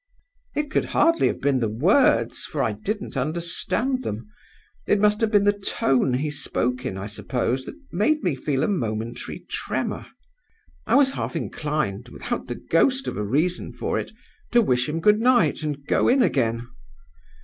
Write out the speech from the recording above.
"It could hardly have been the words, for I didn't understand them it must have been the tone he spoke in, I suppose, that made me feel a momentary tremor. I was half inclined, without the ghost of a reason for it, to wish him good night, and go in again.